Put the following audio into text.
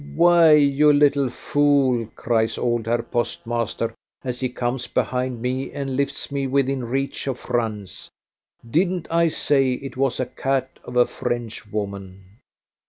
"Why, you little fool," cries old Herr postmaster as he comes behind me and lifts me within reach of Franz, "didn't I say it was a cat of a French woman?"